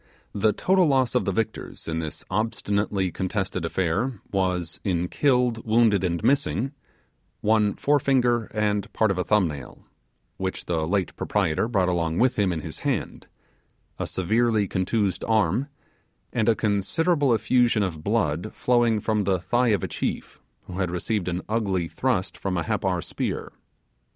The total loss of the victors in this obstinately contested affair was, in killed, wounded, and missing one forefinger and part of a thumb nail (which the late proprietor brought along with him in his hand), a severely contused arm, and a considerable effusion of blood flowing from the thigh of a chief, who had received an ugly thrust from a Happar spear.